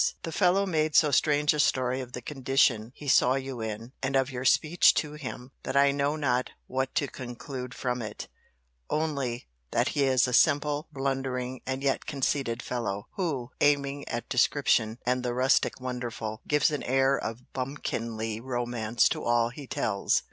The fellow made so strange a story of the condition he saw you in, and of your speech to him, that I know not what to conclude from it: only, that he is a simple, blundering, and yet conceited fellow, who, aiming at description, and the rustic wonderful, gives an air of bumkinly romance to all he tells.